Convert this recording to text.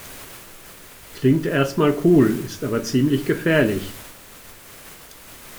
Klingt erst mal cool, ist aber ziemlich gefährlich.